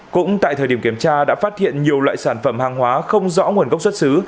cũng tại thời điểm kiểm tra đã phát hiện nhiều loại sản phẩm hàng hóa không rõ nguồn gốc xuất xứ